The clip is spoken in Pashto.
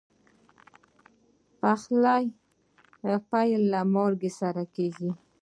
د پخلي پیل له مالګې سره کېږي.